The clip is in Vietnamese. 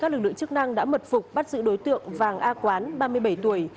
các lực lượng chức năng đã mật phục bắt giữ đối tượng vàng a quán ba mươi bảy tuổi